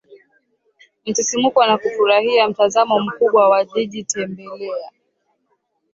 msisimko na kufurahia mtazamo mkubwa wa jiji Tembelea